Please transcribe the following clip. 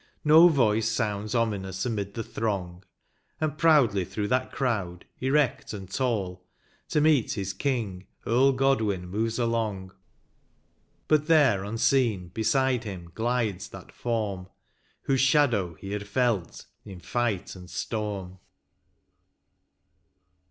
No voice sounds ominous amid the throng. And proudly through that crowd, erect and tall, To meet his King Earl Godwin moves along ; But there, unseen, beside him glides that form. Whose shadow he had felt in fight and storm.